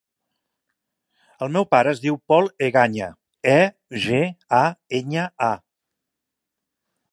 El meu pare es diu Pol Egaña: e, ge, a, enya, a.